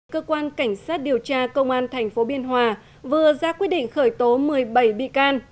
cơ quan cảnh sát điều tra công an tp biên hòa vừa ra quyết định khởi tố một mươi bảy bị can